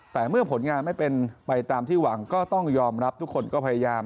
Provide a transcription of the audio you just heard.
แต่เมื่อผลงานไม่เป็นไปตามที่หวังก็ต้องยอมรับทุกคนก็พยายาม